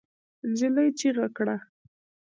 نجلۍ چیغه کړه.